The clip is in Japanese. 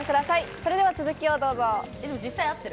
それでは続きをどうぞ。